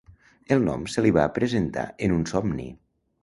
El nom se li va presentar en un somni.